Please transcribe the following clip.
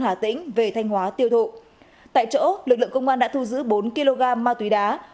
hà tĩnh về thanh hóa tiêu thụ tại chỗ lực lượng công an đã thu giữ bốn kg ma túy đá